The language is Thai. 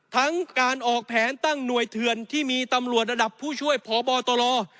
ทั้งการออกแผนตั้งหน่วยเถื่อนที่มีตำรวจระดับผู้ช่วยพบตร